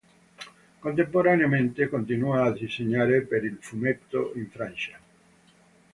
Contemporaneamente continua a disegnare per il fumetto in Francia.